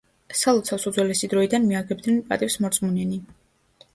სალოცავს უძველესი დროიდან მიაგებდნენ პატივს მორწმუნენი.